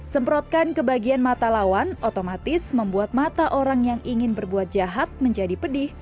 semprotkan ke bagian mata lawan otomatis membuat mata orang yang ingin berbuat jahat menjadi pedih